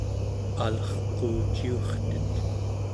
alerquuciurtet